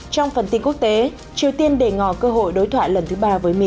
trong phần tin quốc tế triều tiên đề ngò cơ hội đối thoại lần thứ ba với mỹ